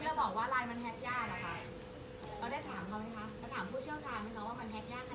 แล้วเราบอกว่าไลน์มันแทกยากแล้วค่ะ